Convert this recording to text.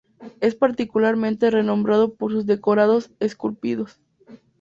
Es particularmente renombrado por sus decorados esculpidos.